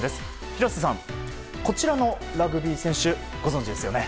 廣瀬さん、こちらのラグビー選手ご存じですよね。